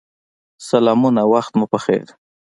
سلامونه وخت مو پخیر